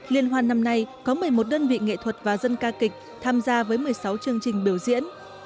liên hoan năm nay có một mươi một đơn vị nghệ thuật và dân ca kịch tham gia với một mươi sáu chương trình biểu diễn